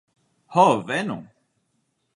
Ho venu!